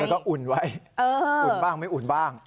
แล้วก็อุ่นไว้อุ่นบ้างไม่อุ่นบ้าง